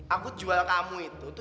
aku jual kamu itu